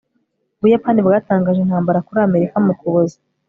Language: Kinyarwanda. ubuyapani bwatangaje intambara kuri amerika mu kuboza